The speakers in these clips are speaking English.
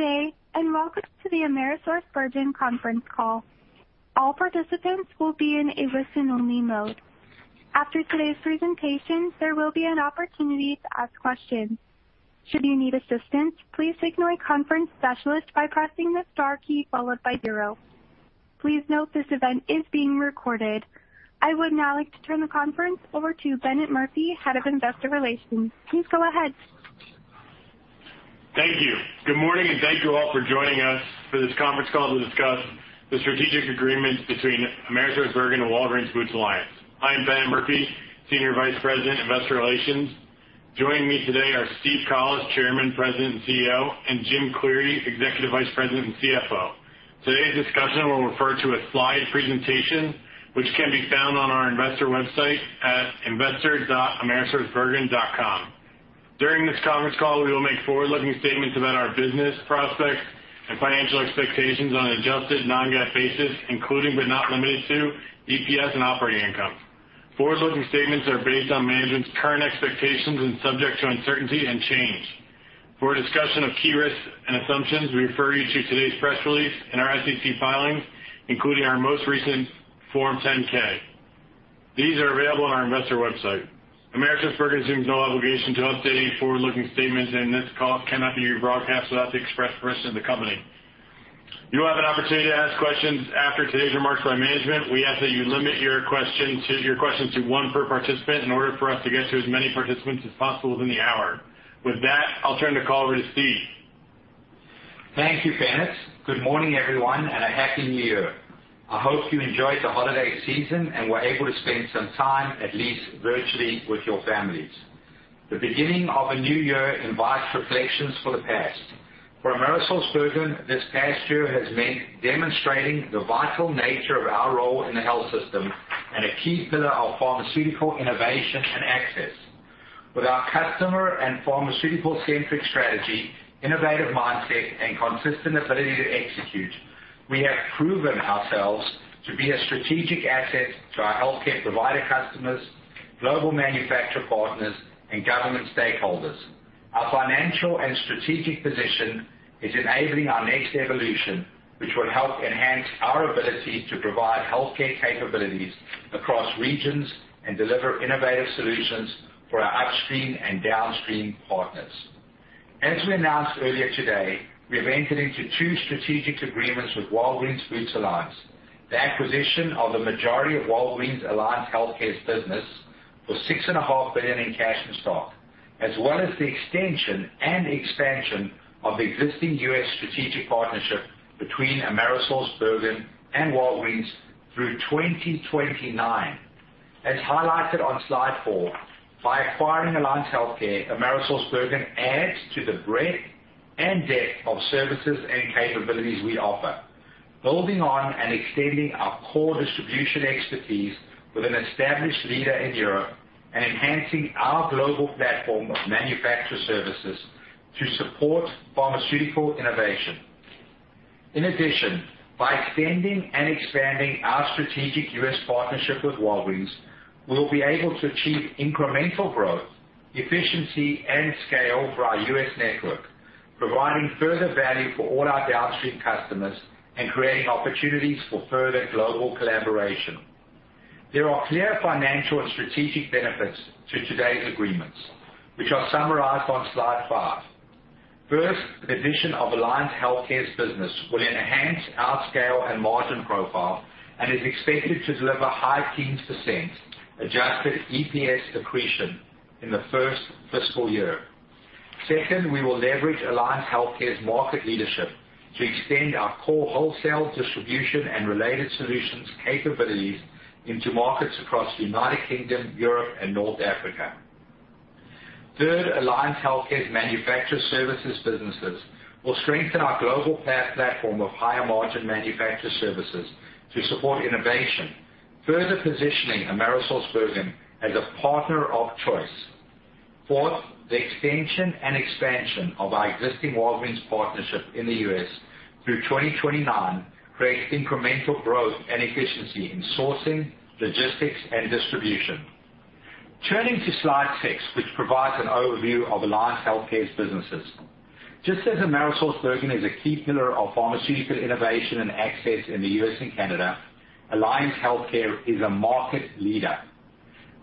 I would now like to turn the conference over to Bennett Murphy, Head of Investor Relations. Please go ahead. Thank you. Good morning, thank you all for joining us for this conference call to discuss the strategic agreement between AmerisourceBergen and Walgreens Boots Alliance. I'm Bennett Murphy, Senior Vice President, Investor Relations. Joining me today are Steve Collis, Chairman, President, and CEO, and Jim Cleary, Executive Vice President and CFO. Today's discussion will refer to a slide presentation, which can be found on our investor website at investor.amerisourcebergen.com. During this conference call, we will make forward-looking statements about our business prospects and financial expectations on an adjusted non-GAAP basis, including but not limited to EPS and operating income. Forward-looking statements are based on management's current expectations and subject to uncertainty and change. For a discussion of key risks and assumptions, we refer you to today's press release and our SEC filings, including our most recent Form 10-K. These are available on our investor website. AmerisourceBergen assumes no obligation to update any forward-looking statements, and this call cannot be rebroadcast without the express permission of the company. You will have an opportunity to ask questions after today's remarks by management. We ask that you limit your questions to one per participant in order for us to get to as many participants as possible within the hour. With that, I'll turn the call over to Steve. Thank you, Bennett. Good morning, everyone, and a happy New Year. I hope you enjoyed the holiday season and were able to spend some time, at least virtually, with your families. The beginning of a New Year invites reflections for the past. For AmerisourceBergen, this past year has meant demonstrating the vital nature of our role in the health system and a key pillar of pharmaceutical innovation and access. With our customer and pharmaceutical-centric strategy, innovative mindset, and consistent ability to execute, we have proven ourselves to be a strategic asset to our healthcare provider customers, global manufacturer partners, and government stakeholders. Our financial and strategic position is enabling our next evolution, which will help enhance our ability to provide healthcare capabilities across regions and deliver innovative solutions for our upstream and downstream partners. As we announced earlier today, we have entered into two strategic agreements with Walgreens Boots Alliance. The acquisition of the majority of Walgreens Alliance Healthcare's business for $6.5 billion in cash and stock, as well as the extension and expansion of the existing U.S. strategic partnership between AmerisourceBergen and Walgreens through 2029. As highlighted on slide four, by acquiring Alliance Healthcare, AmerisourceBergen adds to the breadth and depth of services and capabilities we offer, building on and extending our core distribution expertise with an established leader in Europe and enhancing our global platform of manufacturer services to support pharmaceutical innovation. In addition, by extending and expanding our strategic U.S. partnership with Walgreens, we'll be able to achieve incremental growth, efficiency, and scale for our U.S. network, providing further value for all our downstream customers and creating opportunities for further global collaboration. There are clear financial and strategic benefits to today's agreements, which are summarized on slide five. First, the addition of Alliance Healthcare's business will enhance our scale and margin profile and is expected to deliver high teens percent adjusted EPS accretion in the first fiscal year. Second, we will leverage Alliance Healthcare's market leadership to extend our core wholesale distribution and related solutions capabilities into markets across the U.K., Europe, and North Africa. Third, Alliance Healthcare's manufacturer services businesses will strengthen our global platform of higher-margin manufacturer services to support innovation, further positioning AmerisourceBergen as a partner of choice. Fourth, the extension and expansion of our existing Walgreens partnership in the U.S. through 2029 creates incremental growth and efficiency in sourcing, logistics, and distribution. Turning to slide six, which provides an overview of Alliance Healthcare's businesses. Just as AmerisourceBergen is a key pillar of pharmaceutical innovation and access in the U.S. and Canada, Alliance Healthcare is a market leader.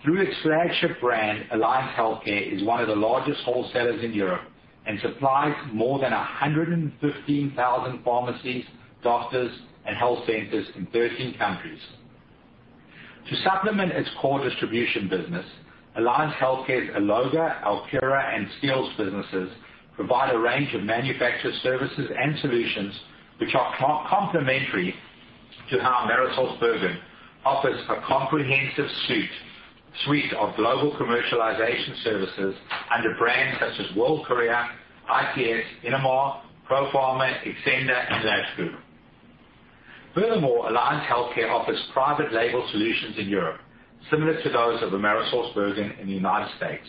Through its flagship brand, Alliance Healthcare is one of the largest wholesalers in Europe and supplies more than 115,000 pharmacies, doctors, and health centers in 13 countries. To supplement its core distribution business, Alliance Healthcare's Alloga, Alcura, and Skills businesses provide a range of manufacturer services and solutions which are complementary to how AmerisourceBergen offers a comprehensive suite of global commercialization services under brands such as World Courier, ICS, Innomar, Profarma, Xcenda, and Lash Group. Furthermore, Alliance Healthcare offers private label solutions in Europe, similar to those of AmerisourceBergen in the United States.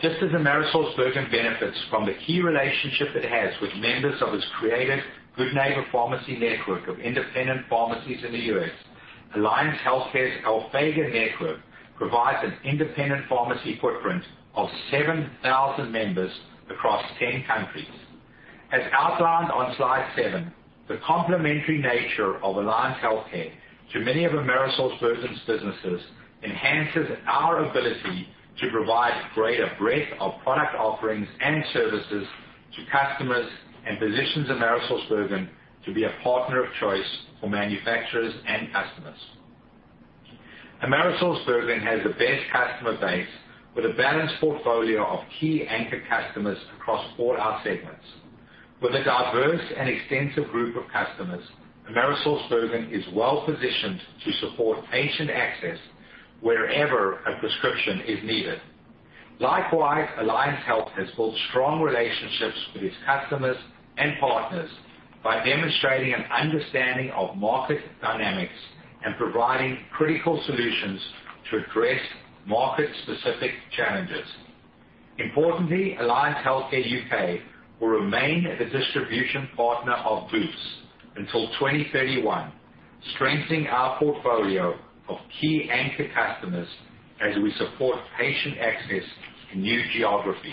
Just as AmerisourceBergen benefits from the key relationship it has with members of its Good Neighbor Pharmacy network of independent pharmacies in the U.S., Alliance Healthcare's Alphega network provides an independent pharmacy footprint of 7,000 members across 10 countries. As outlined on slide seven, the complementary nature of Alliance Healthcare to many of AmerisourceBergen's businesses enhances our ability to provide greater breadth of product offerings and services to customers, and positions AmerisourceBergen to be a partner of choice for manufacturers and customers. AmerisourceBergen has the best customer base with a balanced portfolio of key anchor customers across all our segments. With a diverse and extensive group of customers, AmerisourceBergen is well-positioned to support patient access wherever a prescription is needed. Likewise, Alliance Healthcare has built strong relationships with its customers and partners by demonstrating an understanding of market dynamics and providing critical solutions to address market-specific challenges. Importantly, Alliance Healthcare U.K. will remain the distribution partner of Boots until 2031, strengthening our portfolio of key anchor customers as we support patient access in new geographies.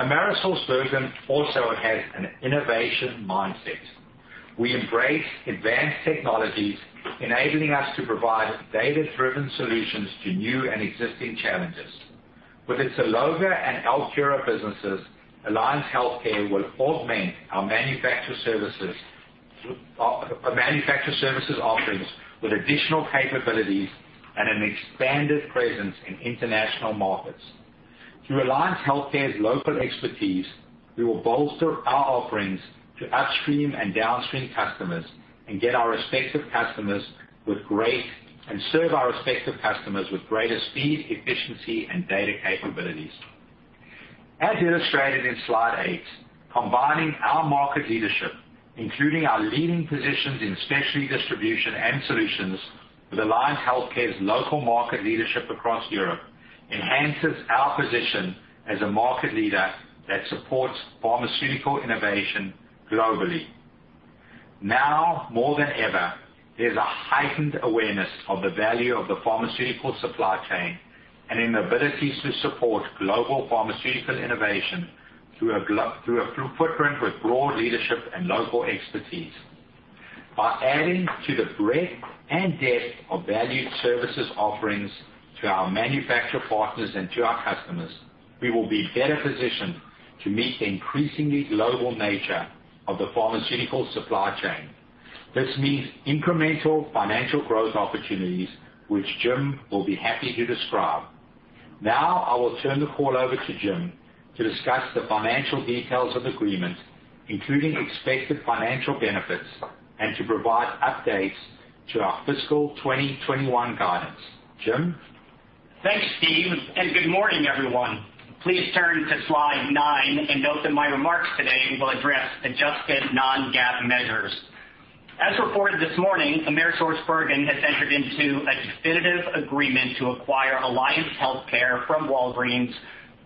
AmerisourceBergen also has an innovation mindset. We embrace advanced technologies, enabling us to provide data-driven solutions to new and existing challenges. With its Alloga and Alcura businesses, Alliance Healthcare will augment our manufacture services offerings with additional capabilities and an expanded presence in international markets. Through Alliance Healthcare's local expertise, we will bolster our offerings to upstream and downstream customers and serve our respective customers with greater speed, efficiency, and data capabilities. As illustrated in slide eight, combining our market leadership, including our leading positions in specialty distribution and solutions with Alliance Healthcare's local market leadership across Europe enhances our position as a market leader that supports pharmaceutical innovation globally. Now more than ever, there's a heightened awareness of the value of the pharmaceutical supply chain and in the abilities to support global pharmaceutical innovation through a footprint with broad leadership and local expertise. By adding to the breadth and depth of valued services offerings to our manufacturer partners and to our customers, we will be better positioned to meet the increasingly global nature of the pharmaceutical supply chain. This means incremental financial growth opportunities, which Jim will be happy to describe. I will turn the call over to Jim to discuss the financial details of agreement, including expected financial benefits, and to provide updates to our fiscal 2021 guidance. Jim? Thanks, Steve. Good morning, everyone. Please turn to slide nine. Note that my remarks today will address adjusted non-GAAP measures. As reported this morning, AmerisourceBergen has entered into a definitive agreement to acquire Alliance Healthcare from Walgreens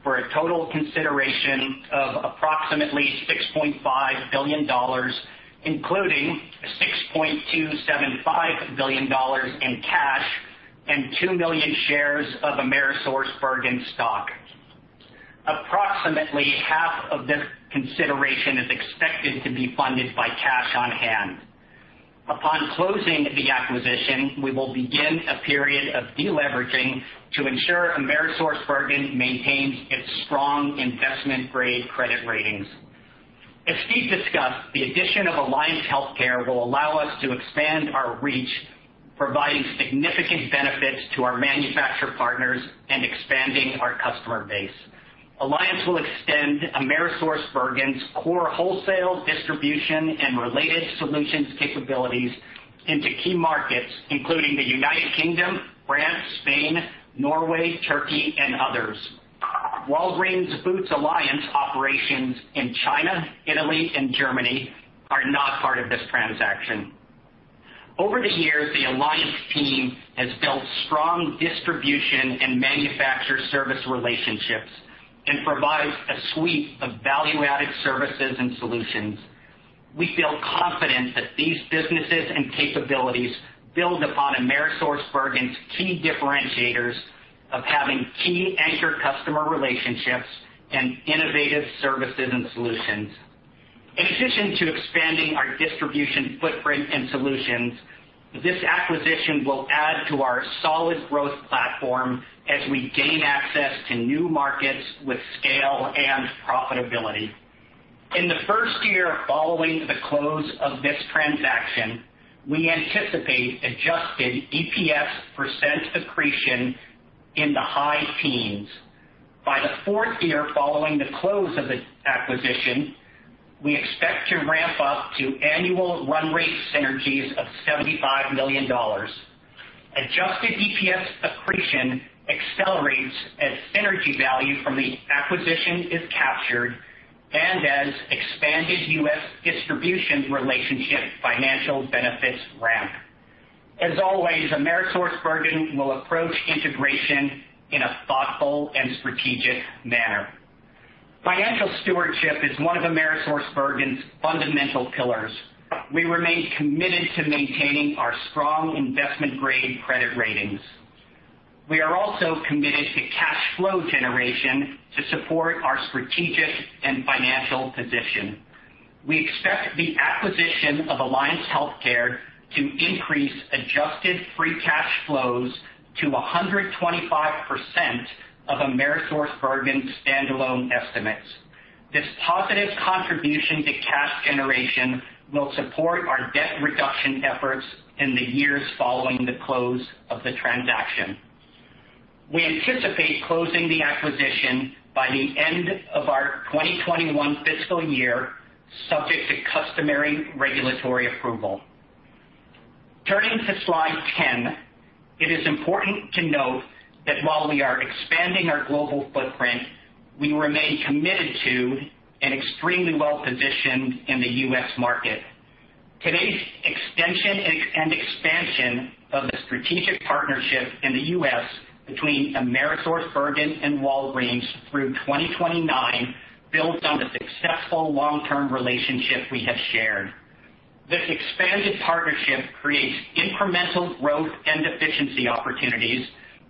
for a total consideration of approximately $6.5 billion, including $6.275 billion in cash and 2 million shares of AmerisourceBergen stock. Approximately half of this consideration is expected to be funded by cash on hand. Upon closing the acquisition, we will begin a period of deleveraging to ensure AmerisourceBergen maintains its strong investment-grade credit ratings. As Steve discussed, the addition of Alliance Healthcare will allow us to expand our reach, providing significant benefits to our manufacturer partners and expanding our customer base. Alliance will extend AmerisourceBergen's core wholesale distribution and related solutions capabilities into key markets, including the U.K., France, Spain, Norway, Turkey, and others. Walgreens Boots Alliance operations in China, Italy, and Germany are not part of this transaction. Over the years, the Alliance team has built strong distribution and manufacturer service relationships and provides a suite of value-added services and solutions. We feel confident that these businesses and capabilities build upon AmerisourceBergen's key differentiators of having key anchor customer relationships and innovative services and solutions. In addition to expanding our distribution footprint and solutions, this acquisition will add to our solid growth platform as we gain access to new markets with scale and profitability. In the first year following the close of this transaction, we anticipate adjusted EPS percent accretion in the high teens. By the fourth year following the close of the acquisition, we expect to ramp up to annual run rate synergies of $75 million. Adjusted EPS accretion accelerates as synergy value from the acquisition is captured and as expanded U.S. distribution relationship financial benefits ramp. As always, AmerisourceBergen will approach integration in a thoughtful and strategic manner. Financial stewardship is one of AmerisourceBergen's fundamental pillars. We remain committed to maintaining our strong investment-grade credit ratings. We are also committed to cash flow generation to support our strategic and financial position. We expect the acquisition of Alliance Healthcare to increase adjusted free cash flows to 125% of AmerisourceBergen standalone estimates. This positive contribution to cash generation will support our debt reduction efforts in the years following the close of the transaction. We anticipate closing the acquisition by the end of our 2021 fiscal year, subject to customary regulatory approval. Turning to slide 10, it is important to note that while we are expanding our global footprint, we remain committed to and extremely well-positioned in the U.S. market. Today's extension and expansion of the strategic partnership in the U.S. between AmerisourceBergen and Walgreens through 2029 builds on the successful long-term relationship we have shared. This expanded partnership creates incremental growth and efficiency opportunities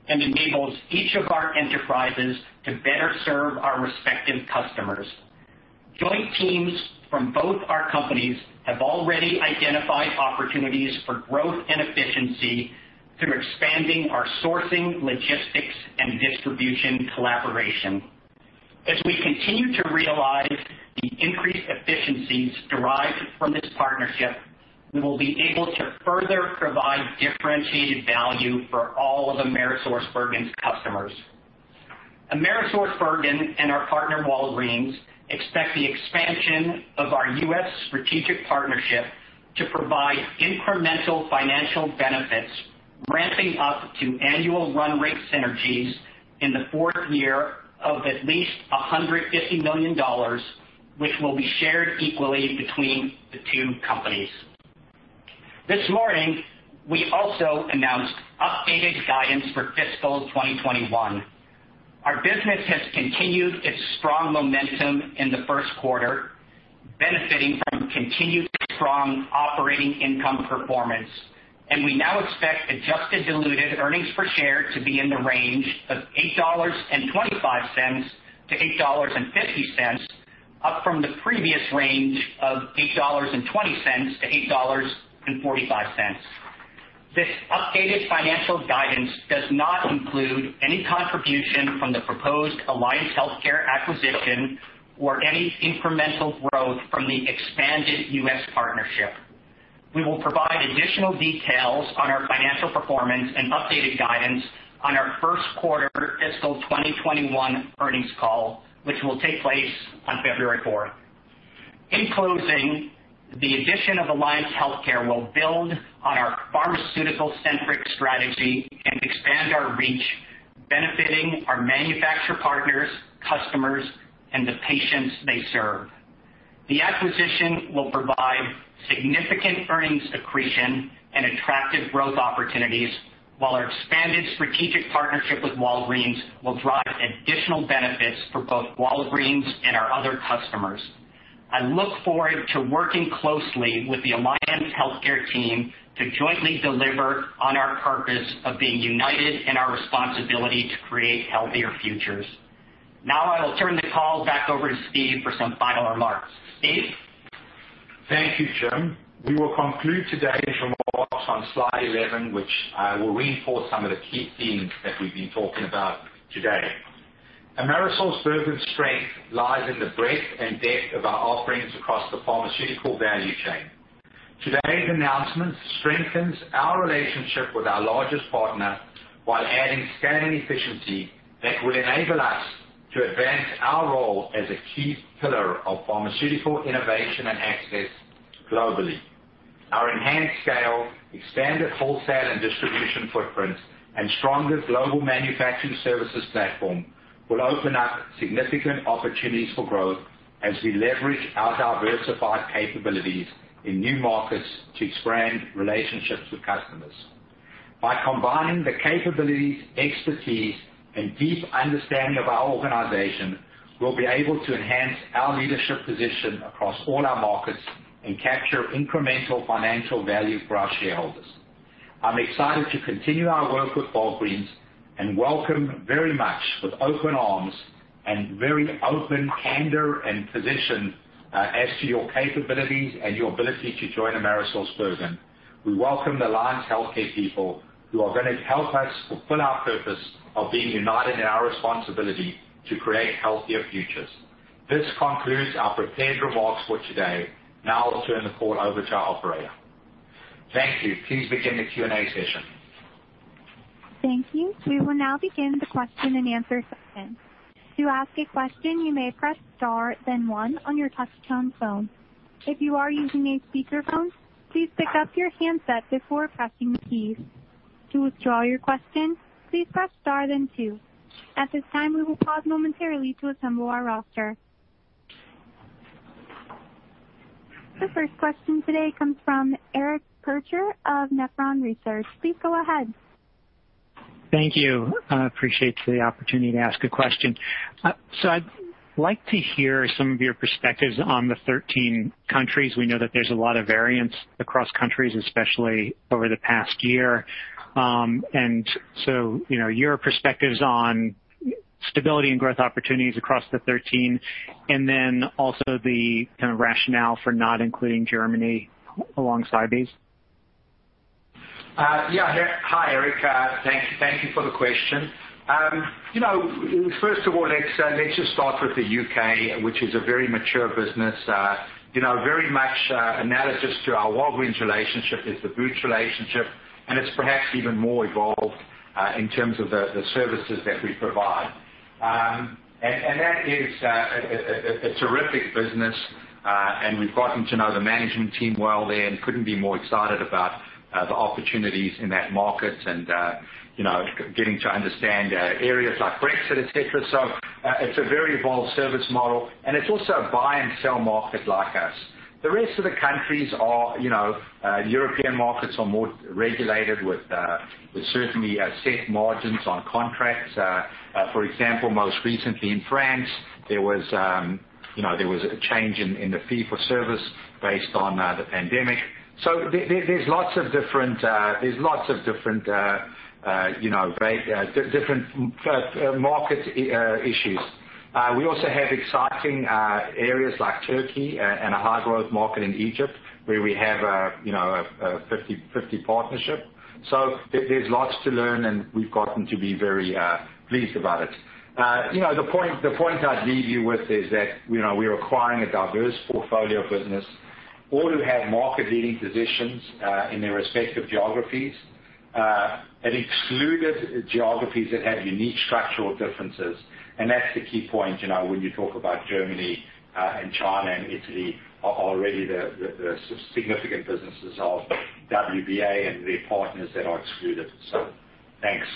and enables each of our enterprises to better serve our respective customers. Joint teams from both our companies have already identified opportunities for growth and efficiency through expanding our sourcing, logistics, and distribution collaboration. As we continue to realize the increased efficiencies derived from this partnership, we will be able to further provide differentiated value for all of AmerisourceBergen's customers. AmerisourceBergen and our partner, Walgreens, expect the expansion of our U.S. strategic partnership to provide incremental financial benefits, ramping up to annual run rate synergies in the fourth year of at least $150 million, which will be shared equally between the two companies. This morning, we also announced updated guidance for fiscal 2021. Our business has continued its strong momentum in the first quarter, benefiting from continued strong operating income performance, and we now expect adjusted diluted earnings per share to be in the range of $8.25-$8.50, up from the previous range of $8.20-$8.45. This updated financial guidance does not include any contribution from the proposed Alliance Healthcare acquisition or any incremental growth from the expanded U.S. partnership. We will provide additional details on our financial performance and updated guidance on our first quarter fiscal 2021 earnings call, which will take place on February 4th. In closing, the addition of Alliance Healthcare will build on our pharmaceutical-centric strategy and expand our reach, benefiting our manufacturer partners, customers, and the patients they serve. The acquisition will provide significant earnings accretion and attractive growth opportunities while our expanded strategic partnership with Walgreens will drive additional benefits for both Walgreens and our other customers. I look forward to working closely with the Alliance Healthcare team to jointly deliver on our purpose of being united in our responsibility to create healthier futures. I will turn the call back over to Steve for some final remarks. Steve? Thank you, Jim. We will conclude today's remarks on slide 11, which will reinforce some of the key themes that we've been talking about today. AmerisourceBergen's strength lies in the breadth and depth of our offerings across the pharmaceutical value chain. Today's announcement strengthens our relationship with our largest partner while adding scaling efficiency that will enable us to advance our role as a key pillar of pharmaceutical innovation and access globally. Our enhanced scale, expanded wholesale and distribution footprint, and stronger global manufacturing services platform will open up significant opportunities for growth as we leverage our diversified capabilities in new markets to expand relationships with customers. By combining the capabilities, expertise, and deep understanding of our organization, we'll be able to enhance our leadership position across all our markets and capture incremental financial value for our shareholders. I'm excited to continue our work with Walgreens and welcome very much with open arms and very open candor and position as to your capabilities and your ability to join AmerisourceBergen. We welcome Alliance Healthcare people who are going to help us fulfill our purpose of being united in our responsibility to create healthier futures. This concludes our prepared remarks for today. Now I'll turn the call over to our operator. Thank you. Please begin the Q&A session. Thank you. We will now begin the question and answer session. To ask a question, you may press star, then one on your tough tone phone. If you are using a speaker phone, please pick up your handset before pressing keys. At this time, we will pause momentarily to assemble our roster. The first question today comes from Eric Percher of Nephron Research. Please go ahead. Thank you. I appreciate the opportunity to ask a question. I'd like to hear some of your perspectives on the 13 countries. We know that there's a lot of variance across countries, especially over the past year. Your perspectives on stability and growth opportunities across the 13, and then also the kind of rationale for not including Germany alongside these? Hi, Eric. Thank you for the question. First of all, let's just start with the U.K., which is a very mature business. Very much analogous to our Walgreens relationship is the Boots relationship, and it's perhaps even more evolved in terms of the services that we provide. That is a terrific business. We've gotten to know the management team well there and couldn't be more excited about the opportunities in that market and getting to understand areas like Brexit, etc. It's a very evolved service model, and it's also a buy and sell market like us. The rest of the countries are European markets, are more regulated with certainly set margins on contracts. For example, most recently in France, there was a change in the fee for service based on the pandemic. There's lots of different market issues. We also have exciting areas like Turkey and a high-growth market in Egypt where we have a 50/50 partnership. There's lots to learn, and we've gotten to be very pleased about it. The point I'd leave you with is that we're acquiring a diverse portfolio of business, all who have market-leading positions, in their respective geographies, and excluded geographies that have unique structural differences. That's the key point when you talk about Germany and China and Italy are already the significant businesses of WBA and their partners that are excluded. Thanks.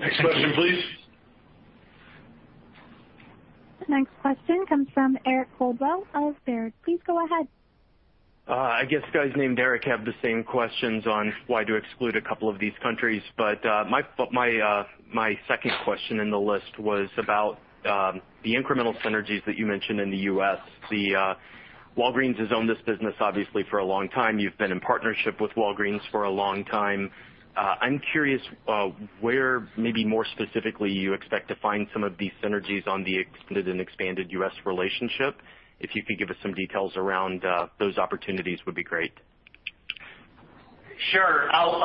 Next question, please. The next question comes from Eric Coldwell of Baird. Please go ahead. I guess guys named Eric have the same questions on why to exclude a couple of these countries. My second question in the list was about the incremental synergies that you mentioned in the U.S. Walgreens has owned this business, obviously, for a long time. You've been in partnership with Walgreens for a long time. I'm curious where maybe more specifically, you expect to find some of these synergies on the extended and expanded U.S. relationship. If you could give us some details around those opportunities would be great. Sure. I'll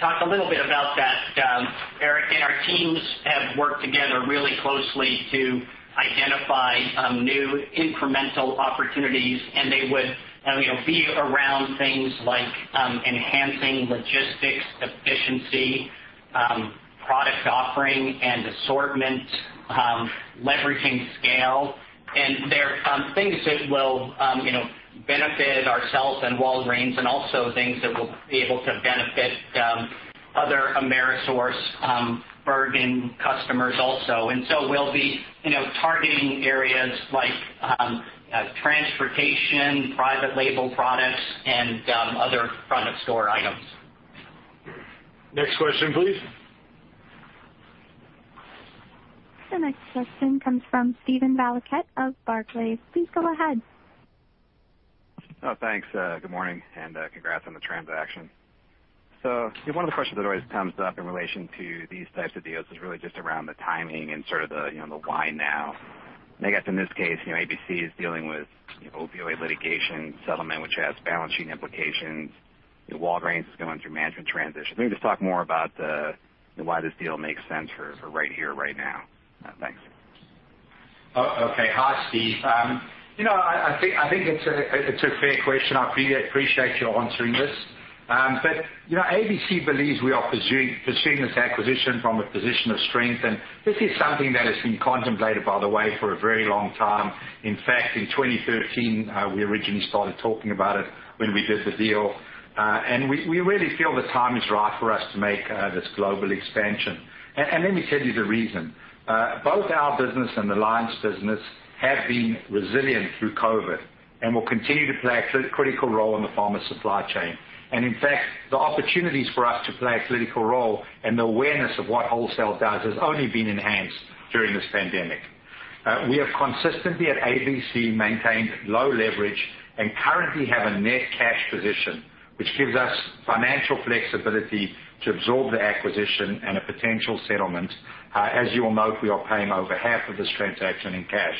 talk a little bit about that, Eric. Our teams have worked together really closely to identify new incremental opportunities, and they would be around things like enhancing logistics efficiency, product offering and assortment, leveraging scale. They're things that will benefit ourselves and Walgreens and also things that will be able to benefit other AmerisourceBergen customers also. We'll be targeting areas like transportation, private label products, and other front-of-store items. Next question, please. The next question comes from Steven Valiquette of Barclays. Please go ahead. Thanks. Good morning, and congrats on the transaction. One of the questions that always comes up in relation to these types of deals is really just around the timing and sort of the why now. I guess in this case, AmerisourceBergen is dealing with opioid litigation settlement, which has balance sheet implications. Walgreens is going through management transition. Maybe just talk more about why this deal makes sense for right here, right now. Thanks. Okay. Hi, Steve. I think it's a fair question. I appreciate you answering this. AmerisourceBergen believes we are pursuing this acquisition from a position of strength. This is something that has been contemplated, by the way, for a very long time. In fact, in 2013, we originally started talking about it when we did the deal. We really feel the time is right for us to make this global expansion. Let me tell you the reason. Both our business and Alliance Healthcare business have been resilient through COVID and will continue to play a critical role in the pharma supply chain. In fact, the opportunities for us to play a critical role and the awareness of what wholesale does has only been enhanced during this pandemic. We have consistently, at AmerisourceBergen, maintained low leverage and currently have a net cash position, which gives us financial flexibility to absorb the acquisition and a potential settlement. As you will note, we are paying over half of this transaction in cash.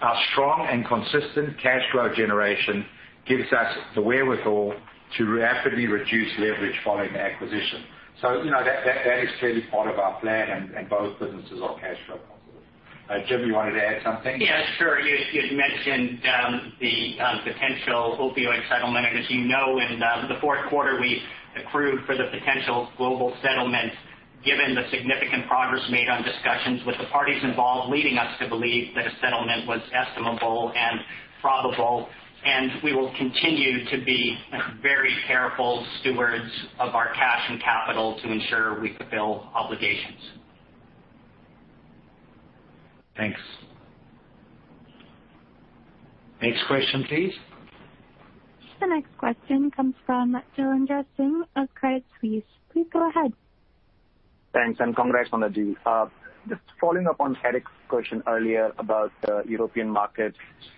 Our strong and consistent cash flow generation gives us the wherewithal to rapidly reduce leverage following the acquisition. That is clearly part of our plan, and both businesses are cash flow positive. Jim, you wanted to add something? Yeah, sure. You had mentioned the potential opioid settlement. As you know, in the fourth quarter, we accrued for the potential global settlement, given the significant progress made on discussions with the parties involved, leading us to believe that a settlement was estimable and probable. We will continue to be very careful stewards of our cash and capital to ensure we fulfill obligations. Thanks. Next question, please. The next question comes from Jailendra Singh of Credit Suisse. Please go ahead. Thanks, and congrats on the deal. Just following up on Eric's question earlier about the European market.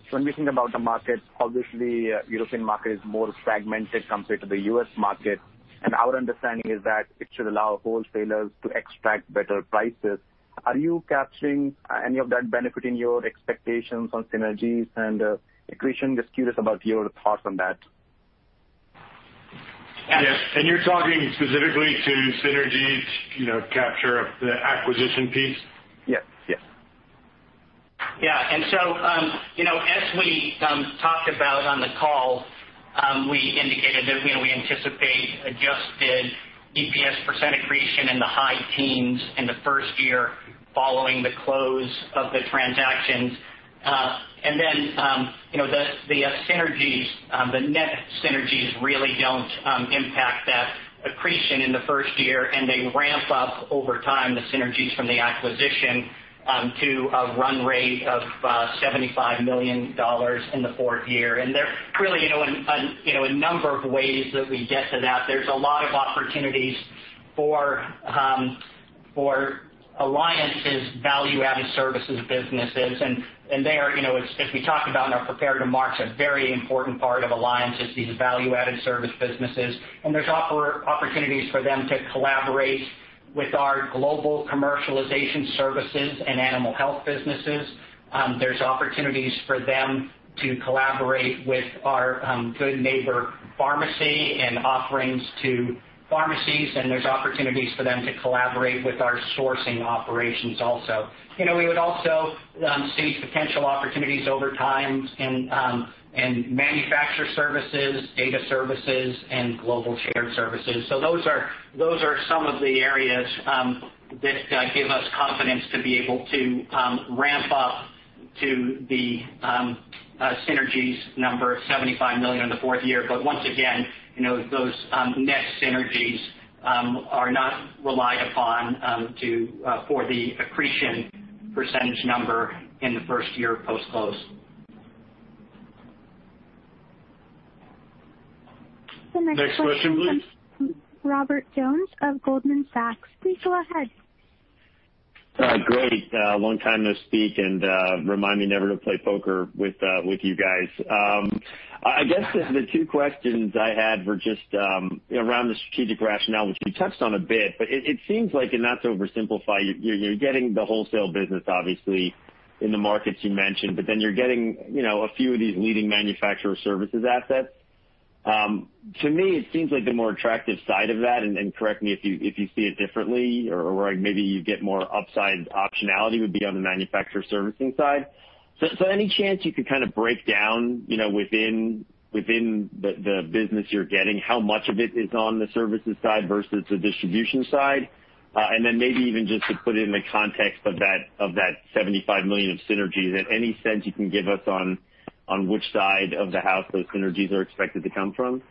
When we think about the market, obviously European market is more fragmented compared to the U.S. market, and our understanding is that it should allow wholesalers to extract better prices. Are you capturing any of that benefit in your expectations on synergies and accretion? Just curious about your thoughts on that. Yes. You're talking specifically to synergies, capture of the acquisition piece? Yes. Yeah. As we talked about on the call, we indicated that we anticipate adjusted EPS percent accretion in the high teens in the first year following the close of the transactions. The net synergies really don't impact that accretion in the first year, and they ramp up over time, the synergies from the acquisition, to a run rate of $75 million in the fourth year. There are really a number of ways that we get to that. There's a lot of opportunities for Alliance Healthcare's value-added services businesses. There, as we talked about in our prepared remarks, a very important part of Alliance Healthcare is these value-added service businesses. There's opportunities for them to collaborate with our Global Commercialization Services & Animal Health businesses. There's opportunities for them to collaborate with our Good Neighbor Pharmacy and offerings to pharmacies, and there's opportunities for them to collaborate with our sourcing operations also. We would also see potential opportunities over time in manufacture services, data services, and global shared services. Those are some of the areas that give us confidence to be able to ramp up to the synergies number, $75 million in the fourth year. Once again, those net synergies are not relied upon for the accretion percentage number in the first year post-close. The next question. Next question, please. Comes from Robert Jones of Goldman Sachs. Please go ahead. Great. Long time no speak, and remind me never to play poker with you guys. I guess the two questions I had were just around the strategic rationale, which we touched on a bit, but it seems like, and not to oversimplify, you're getting the wholesale business obviously in the markets you mentioned, but then you're getting a few of these leading manufacturer services assets. To me, it seems like the more attractive side of that, and correct me if you see it differently or maybe you get more upside optionality, would be on the manufacturer servicing side. Any chance you could break down within the business you're getting, how much of it is on the services side versus the distribution side? Maybe even just to put it in the context of that $75 million of synergies, any sense you can give us on which side of the house those synergies are expected to come from?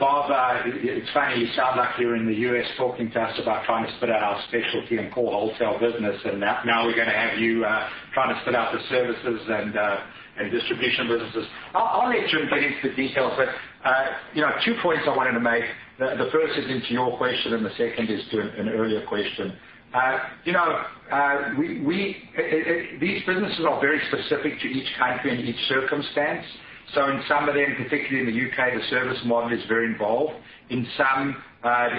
Bob, it's funny, you sound like you're in the U.S. talking to us about trying to split out our specialty and core wholesale business, and now we're going to have you trying to split out the services and distribution businesses. I'll let Jim get into the details, but two points I wanted to make. The first is into your question and the second is to an earlier question. These businesses are very specific to each country and each circumstance. In some of them, particularly in the U.K., the service model is very involved. In some,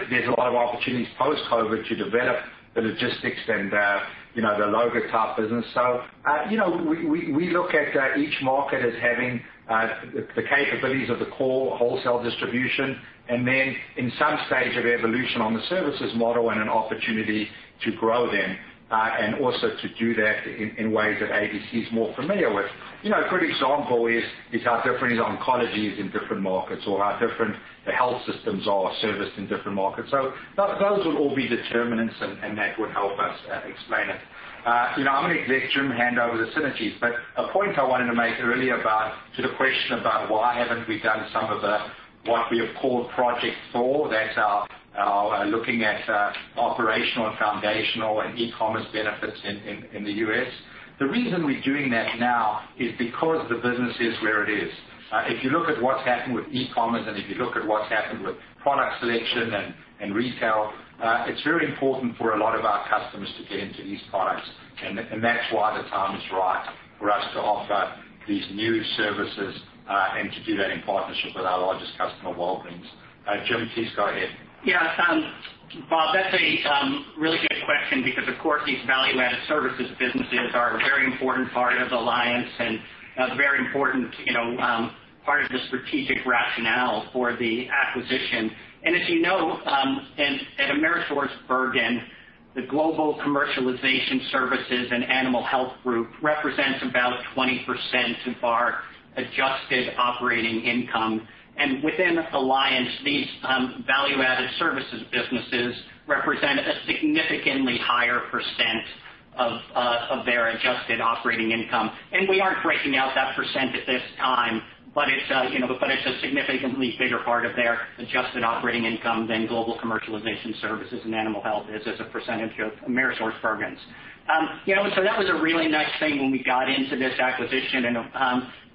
there's a lot of opportunities post-COVID to develop the logistics and the Alloga type business. We look at each market as having the capabilities of the core wholesale distribution and then in some stage of evolution on the services model and an opportunity to grow them, and also to do that in ways that AmerisourceBergen is more familiar with. A good example is how different is oncology in different markets or how different the health systems are serviced in different markets. Those would all be determinants, and that would help us explain it. I'm going to let Jim hand over the synergies. A point I wanted to make earlier about to the question about why haven't we done some of the, what we have called Project Thor. That's our looking at operational and foundational and e-commerce benefits in the U.S. The reason we're doing that now is because the business is where it is. If you look at what's happened with e-commerce, if you look at what's happened with product selection and retail, it's very important for a lot of our customers to get into these products. That's why the time is right for us to offer these new services, and to do that in partnership with our largest customer, Walgreens. Jim, please go ahead. Yeah, Bob, that's a really good question because, of course, these value-added services businesses are a very important part of Alliance and a very important part of the strategic rationale for the acquisition. As you know, at AmerisourceBergen, the Global Commercialization Services & Animal Health group represents about 20% of our adjusted operating income. Within Alliance, these value-added services businesses represent a significantly higher percent of their adjusted operating income. We aren't breaking out that percent at this time, but it's a significantly bigger part of their adjusted operating income than Global Commercialization Services & Animal Health is as a percent of AmerisourceBergen's. That was a really nice thing when we got into this acquisition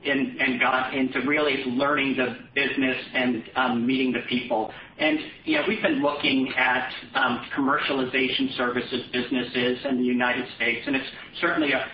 and got into really learning the business and meeting the people. We've been looking at commercialization services businesses in the U.S., and it's certainly a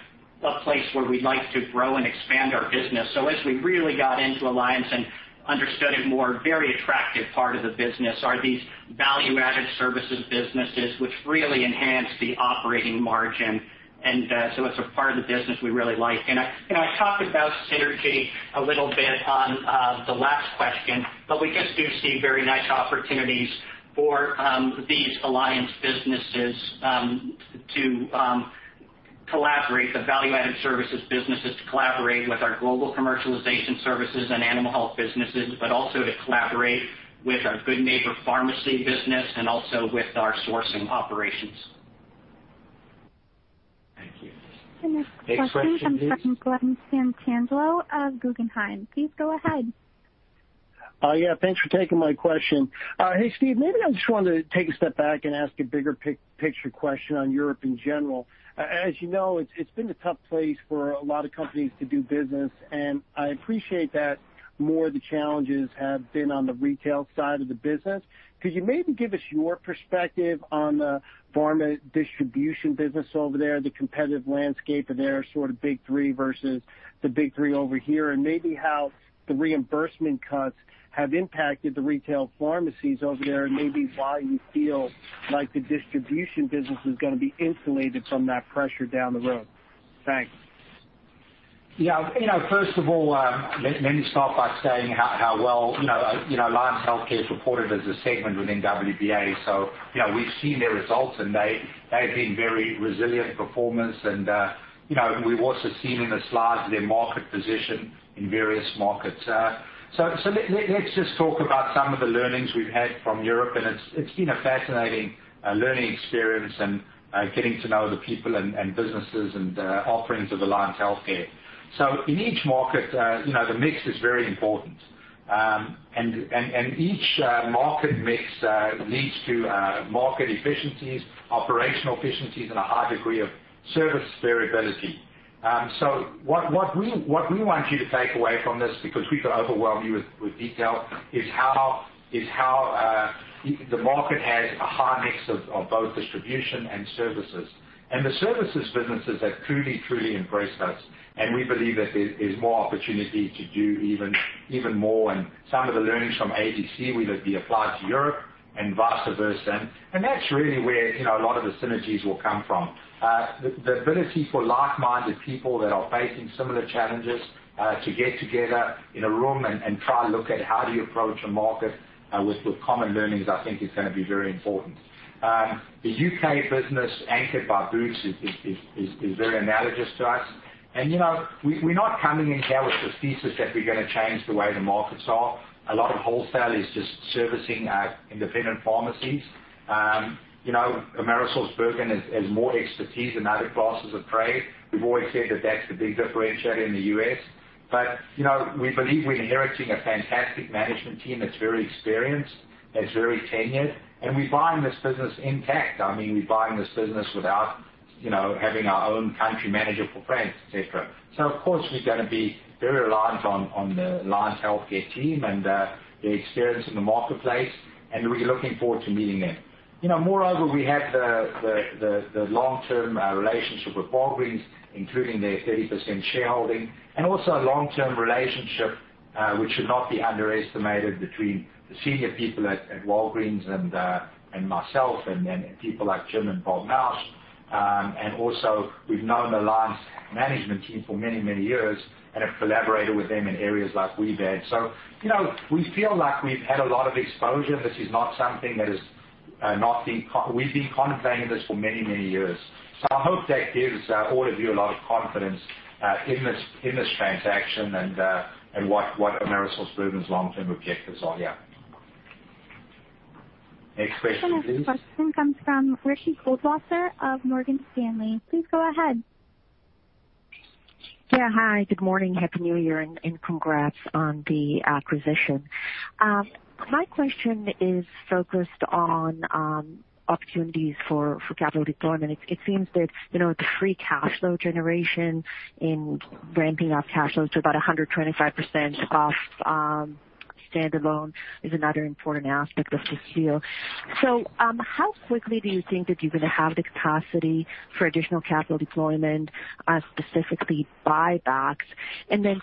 place where we'd like to grow and expand our business. As we really got into Alliance and understood it more, a very attractive part of the business are these value-added services businesses, which really enhance the operating margin. It's a part of the business we really like. I talked about synergy a little bit on the last question, but we just do see very nice opportunities for these Alliance businesses to collaborate, the value-added services businesses to collaborate with our Global Commercialization Services & Animal Health businesses. Also to collaborate with our Good Neighbor Pharmacy business and also with our sourcing operations. Next question please. The next question comes from Glen Santangelo of Guggenheim. Please go ahead. Yeah, thanks for taking my question. Hey, Steve, maybe I just wanted to take a step back and ask a bigger picture question on Europe in general. As you know, it's been a tough place for a lot of companies to do business, and I appreciate that more of the challenges have been on the retail side of the business. Could you maybe give us your perspective on the pharma distribution business over there, the competitive landscape and their sort of big three versus the big three over here, and maybe how the reimbursement cuts have impacted the retail pharmacies over there, and maybe why you feel like the distribution business is going to be insulated from that pressure down the road? Thanks. Yeah. First of all, let me start by saying how well Alliance Healthcare is reported as a segment within WBA. We've seen their results, and they've been very resilient performance, and we've also seen in the slides their market position in various markets. Let's just talk about some of the learnings we've had from Europe, and it's been a fascinating learning experience and getting to know the people and businesses and the offerings of Alliance Healthcare. In each market, the mix is very important. Each market mix leads to market efficiencies, operational efficiencies, and a high degree of service variability. What we want you to take away from this, because we could overwhelm you with detail, is how the market has a high mix of both distribution and services. The services businesses have truly impressed us, and we believe that there is more opportunity to do even more. Some of the learnings from ABC will be applied to Europe and vice versa. That's really where a lot of the synergies will come from. The ability for like-minded people that are facing similar challenges, to get together in a room and try and look at how do you approach a market, with common learnings, I think is going to be very important. The U.K. business anchored by Boots is very analogous to us. We're not coming in there with the thesis that we're going to change the way the markets are. A lot of wholesale is just servicing independent pharmacies. AmerisourceBergen has more expertise in other classes of trade. We've always said that that's the big differentiator in the U.S. We believe we're inheriting a fantastic management team that's very experienced and is very tenured, and we're buying this business intact. We're buying this business without having our own country manager for France, etc. Of course, we're going to be very reliant on the Alliance Healthcare team and their experience in the marketplace, and we're looking forward to meeting them. Moreover, we have the long-term relationship with Walgreens, including their 30% shareholding, and also a long-term relationship, which should not be underestimated between the senior people at Walgreens and myself and then people like Jim and Bob Mauch. Also, we've known Alliance management team for many, many years and have collaborated with them in areas like WBA. So, we feel like we've had a lot of exposure. This is not something We've been contemplating this for many, many years. I hope that gives all of you a lot of confidence in this transaction and what AmerisourceBergen's long-term objectives are. Yeah. Next question, please. The next question comes from Ricky Goldwasser of Morgan Stanley. Please go ahead. Yeah. Hi, good morning. Happy New Year, congrats on the acquisition. My question is focused on opportunities for capital deployment. It seems that the free cash flow generation in ramping up cash flow to about 125% of standalone is another important aspect of this deal. How quickly do you think that you're going to have the capacity for additional capital deployment, specifically buybacks?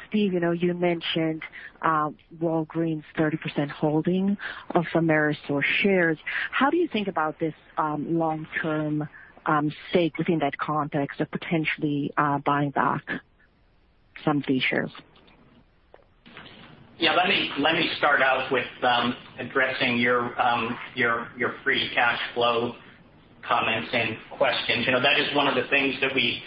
Steve, you mentioned Walgreens' 30% holding of Amerisource shares. How do you think about this long-term stake within that context of potentially buying back some of these shares? Yeah. Let me start out with addressing your free cash flow comments and questions. That is one of the things that we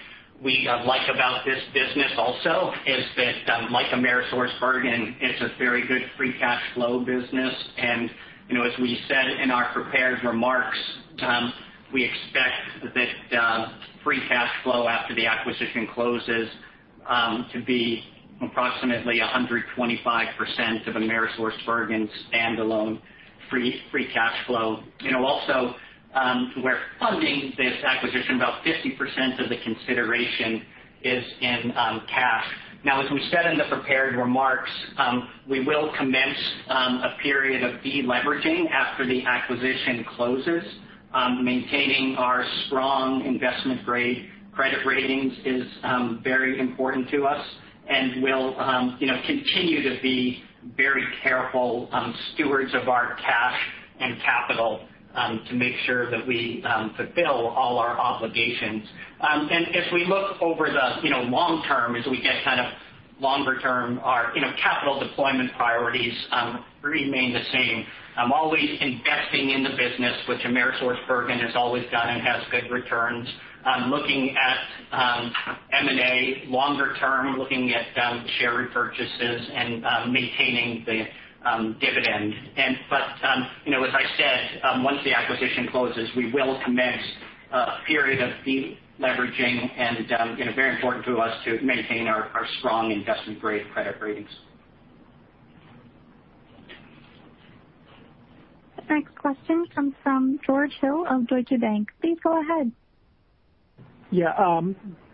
like about this business also is that, like AmerisourceBergen, it's a very good free cash flow business. As we said in our prepared remarks, we expect that free cash flow after the acquisition closes, to be approximately 125% of AmerisourceBergen's standalone free cash flow. We're funding this acquisition, about 50% of the consideration is in cash. As we said in the prepared remarks, we will commence a period of de-leveraging after the acquisition closes. Maintaining our strong investment-grade credit ratings is very important to us, and we'll continue to be very careful stewards of our cash and capital to make sure that we fulfill all our obligations. As we look over the long term, as we get longer term, our capital deployment priorities remain the same. Always investing in the business, which AmerisourceBergen has always done and has good returns. Looking at M&A longer term, looking at share repurchases, and maintaining the dividend. As I said, once the acquisition closes, we will commence a period of de-leveraging and very important to us to maintain our strong investment-grade credit ratings. The next question comes from George Hill of Deutsche Bank. Please go ahead. Yeah.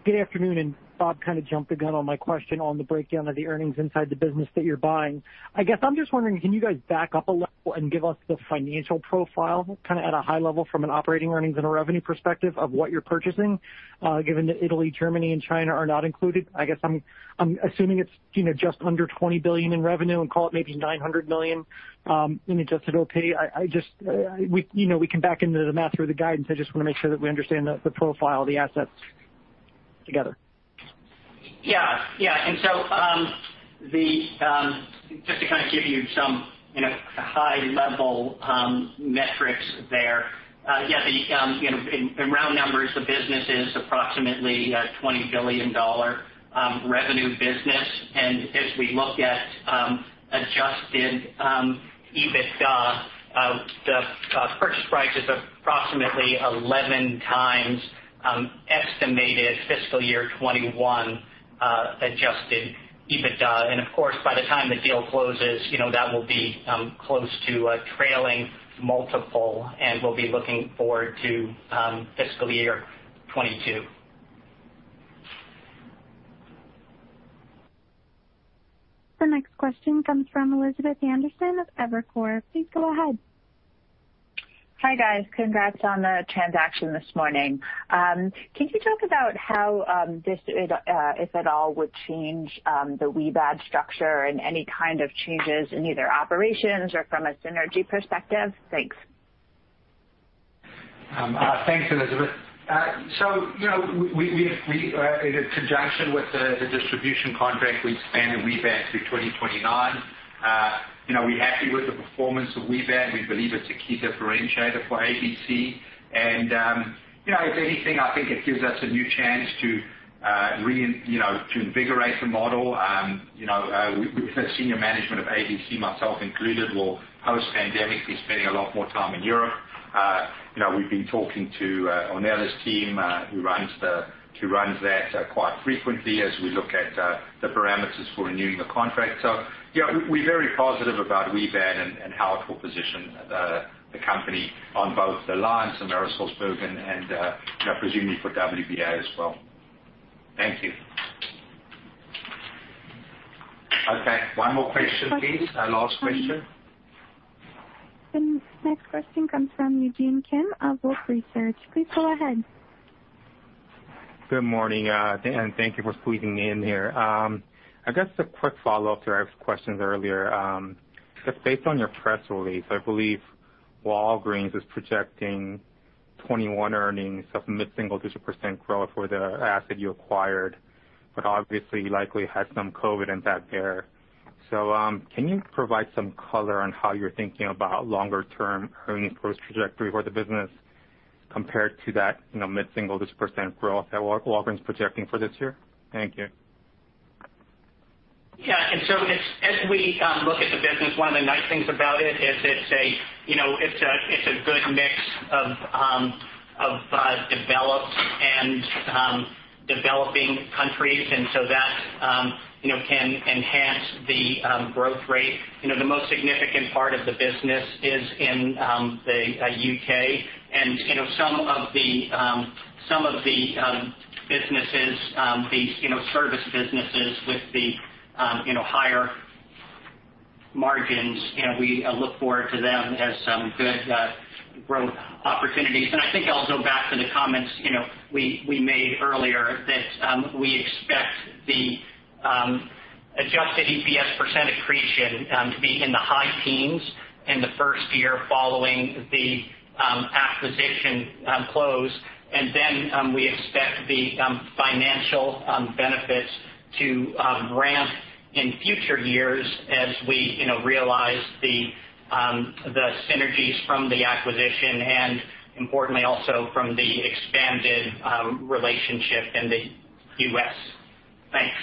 Good afternoon. Bob Mauch kind of jumped the gun on my question on the breakdown of the earnings inside the business that you're buying. I guess I'm just wondering, can you guys back up a level and give us the financial profile, kind of at a high level from an operating earnings and a revenue perspective of what you're purchasing, given that Italy, Germany, and China are not included? I guess I'm assuming it's just under $20 billion in revenue and call it maybe $900 million in adjusted OP. We can back into the math or the guidance. I just want to make sure that we understand the profile of the assets together. Just to kind of give you some high-level metrics there. In round numbers, the business is approximately a $20 billion revenue business. As we look at adjusted EBITDA, the purchase price is approximately 11 times estimated fiscal year 2021 adjusted EBITDA. By the time the deal closes, that will be close to a trailing multiple, and we'll be looking forward to fiscal year 2022. The next question comes from Elizabeth Anderson of Evercore. Please go ahead. Hi, guys. Congrats on the transaction this morning. Can you talk about how this, if at all, would change the WBAD structure and any kind of changes in either operations or from a synergy perspective? Thanks. Thanks, Elizabeth. In conjunction with the distribution contract, we expanded WBAD through 2029. We're happy with the performance of WBAD. We believe it's a key differentiator for ABC. If anything, I think it gives us a new chance to invigorate the model. We've had senior management of ABC, myself included, post-pandemically spending a lot more time in Europe. We've been talking to Ornella's team, who runs that quite frequently as we look at the parameters for renewing the contract. We're very positive about WBAD and how it will position the company on both Alliance, AmerisourceBergen and presumably for WBA as well. Thank you. One more question, please. Our last question. The next question comes from Eugene Kim of Wolfe Research. Please go ahead. Good morning, thank you for squeezing me in here. I guess a quick follow-up to our questions earlier. Just based on your press release, I believe Walgreens is projecting 2021 earnings of mid-single-digit % growth for the asset you acquired, but obviously likely had some COVID impact there. Can you provide some color on how you're thinking about longer-term earnings growth trajectory for the business compared to that mid-single-digit % growth that Walgreens projecting for this year? Thank you. Yeah. As we look at the business, one of the nice things about it is it's a good mix of developed and developing countries, and so that can enhance the growth rate. The most significant part of the business is in the U.K. and some of the businesses, the service businesses with the higher margins, we look forward to them as some good growth opportunities. I think I'll go back to the comments we made earlier that we expect the adjusted EPS percent accretion to be in the high teens in the first year following the acquisition close. We expect the financial benefits to ramp in future years as we realize the synergies from the acquisition and importantly also from the expanded relationship in the U.S. Thanks.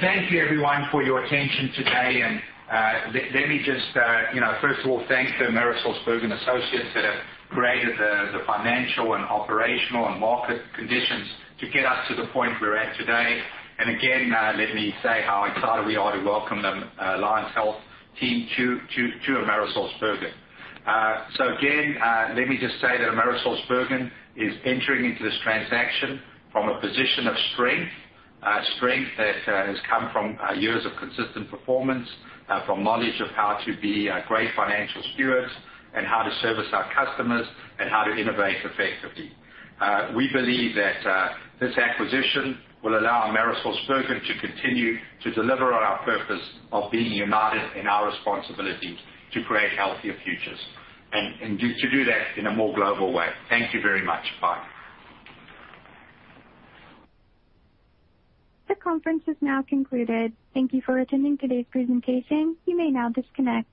Thank you everyone for your attention today. Let me just, first of all, thank the AmerisourceBergen associates that have created the financial and operational and market conditions to get us to the point we're at today. Again, let me say how excited we are to welcome the Alliance Healthcare team to AmerisourceBergen. Again, let me just say that AmerisourceBergen is entering into this transaction from a position of strength. Strength that has come from years of consistent performance, from knowledge of how to be great financial stewards, and how to service our customers, and how to innovate effectively. We believe that this acquisition will allow AmerisourceBergen to continue to deliver on our purpose of being united in our responsibility to create healthier futures, and to do that in a more global way. Thank you very much. Bye. This conference is now concluded. Thank you for attending today's presentation. You may now disconnect.